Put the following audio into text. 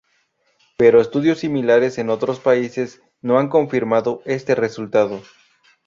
Pero estudios similares en otros países no han confirmado este resultado.